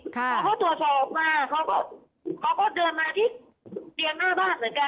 พอเขาตรวจสอบมาเขาก็เดินมาที่เตียงหน้าบ้านเหมือนกัน